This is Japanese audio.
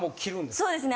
そうですね。